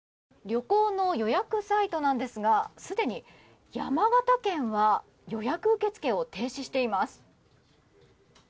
旅行の予約サイトなんですがすでに山形県は予約受け付けを停止しています。